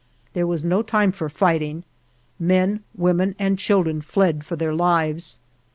There was no time for fighting. Men, women, and children fled for their lives.